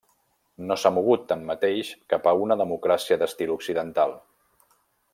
No s'ha mogut, tanmateix, cap a una democràcia d'estil Occidental.